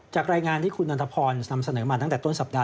จากรายงานที่คุณนันทพรนำเสนอมาตั้งแต่ต้นสัปดาห